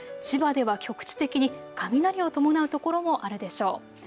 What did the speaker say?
千葉では局地的に雷を伴う所もあるでしょう。